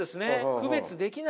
区別できない。